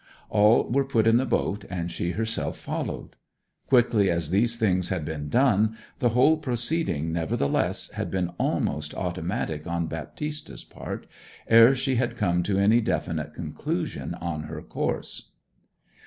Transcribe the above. All were put in the boat, and she herself followed. Quickly as these things had been done, the whole proceeding, nevertheless, had been almost automatic on Baptista's part, ere she had come to any definite conclusion on her course.